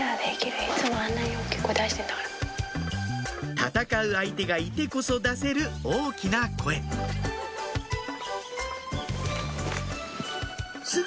戦う相手がいてこそ出せる大きな声すぐ